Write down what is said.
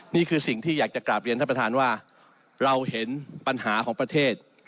นี่คือสิ่งที่อยากจะกลับเรียนท่านประธานว่าเราเห็นปัญหาของประเทศ